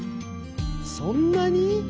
そんなに？